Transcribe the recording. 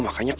kamu mau gak